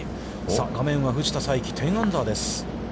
画面は藤田さいき、１０アンダーです。